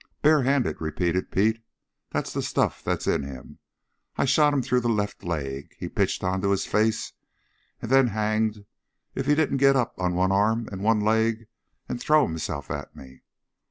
"Barehanded," repeated Pete. "That's the stuff that's in him! I shot him through the left leg. He pitched onto his face, and then hanged if he didn't get up on one arm and one leg and throw himself at me.